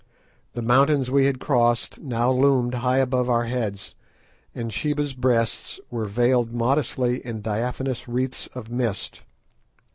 The mountains we had crossed now loomed high above our heads, and Sheba's Breasts were veiled modestly in diaphanous wreaths of mist.